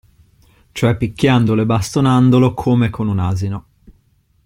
Cioè picchiandolo e bastonandolo come con un asino.